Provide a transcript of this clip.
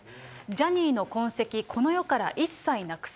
ジャニーの痕跡、この世から一切なくす。